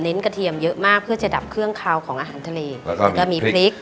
กระเทียมเยอะมากเพื่อจะดับเครื่องคาวของอาหารทะเลแล้วก็มีพริก